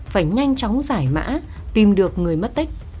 phải nhanh chóng giải mã tìm được người mất tích